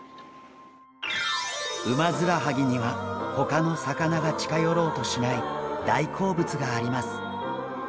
ウマヅラハギには他の魚が近寄ろうとしない大好物があります。